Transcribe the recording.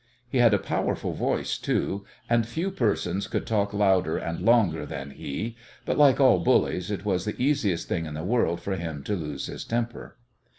He had a powerful voice, too, and few persons could talk louder and longer than he, but, like all bullies, it was the easiest thing in the world for him to lose his temper.